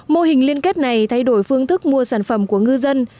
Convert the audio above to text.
mô hình liên kết này thay đổi phương thức mua sản phẩm của ngư dân